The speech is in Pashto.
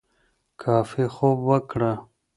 کافي خوب وکړه